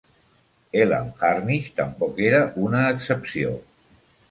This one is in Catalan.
Elam Harnish tampoc era una excepció.